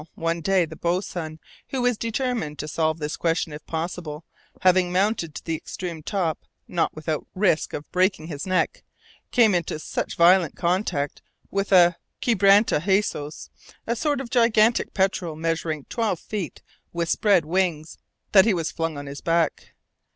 One day, the boatswain, who was determined to solve this question if possible, having mounted to the extreme top, not without risk of breaking his neck, came into such violent contact with a quebranta huesos a sort of gigantic petrel measuring twelve feet with spread wings that he was flung on his back.